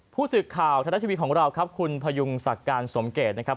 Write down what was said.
ผู้สื่อข่าวไทยรัฐทีวีของเราครับคุณพยุงศักดิ์การสมเกตนะครับ